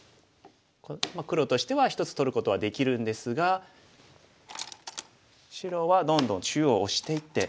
黒としては１つ取ることはできるんですが白はどんどん中央オシていって。